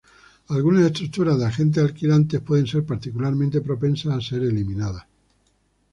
Algunas estructuras de agentes alquilantes pueden ser particularmente propensas a ser eliminadas.